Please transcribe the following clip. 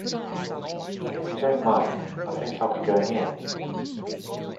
If you don't mind, I think I'll be going in.